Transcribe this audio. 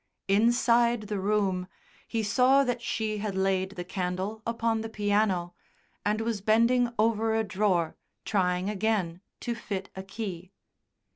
Inside the room he saw that she had laid the candle upon the piano, and was bending over a drawer, trying again to fit a key.